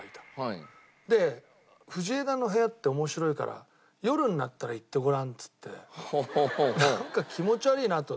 で藤枝の部屋って面白いから夜になったら行ってごらんっつってなんか気持ち悪いなと。